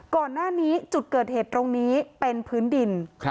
ก่อนหน้านี้จุดเกิดเหตุตรงนี้เป็นพื้นดิน